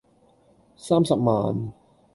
三十萬